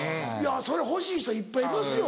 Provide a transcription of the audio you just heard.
それ欲しい人いっぱいいますよ。